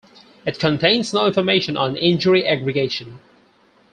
It contains no information on injury aggregation.